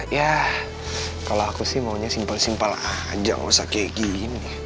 ya kalau aku sih maunya simpel simpel aja nggak usah kayak gini